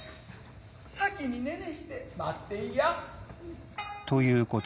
先へ寝々して待っていや。